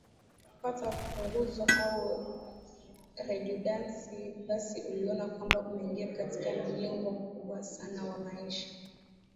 kupata punguzwa au redudancy basi uliona kwamba umeingia katika mlingo mkubwa sana wa maisha